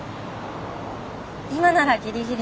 今ならギリギリ。